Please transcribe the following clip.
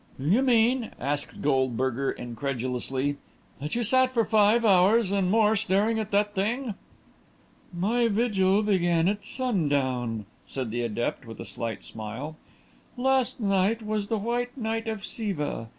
"Do you mean," asked Goldberger incredulously, "that you sat for five hours and more staring at that thing?" "My vigil began at sundown," said the adept, with a slight smile. "Last night was the White Night of Siva.